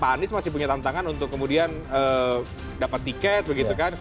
pak anies masih punya tantangan untuk kemudian dapat tiket begitu kan